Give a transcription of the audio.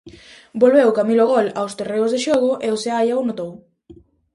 Volveu "Camilo gol" aos terreos de xogo e o Seaia o notou.